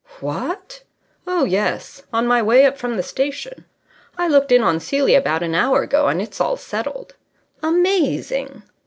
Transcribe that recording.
"What!" "Oh, yes. On my way up from the station. I looked in on Celia about an hour ago, and it's all settled." "Amazing!"